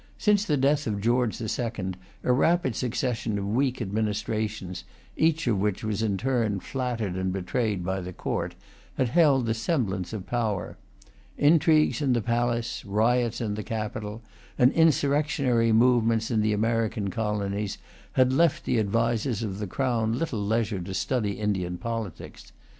Since the death of George the Second, a rapid succession of weak administrations, each of which was in turn flattered and betrayed by the Court, had held the semblance of power. Intrigues in the palace, riots in the capital, and insurrectionary movements in the American colonies, had left the advisers of the Crown little leisure to study Indian politics.